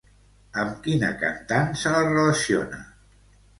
Amb quina cantant se la relaciona?